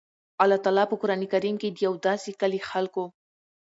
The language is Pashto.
الله تعالی په قران کريم کي د يو داسي کلي خلکو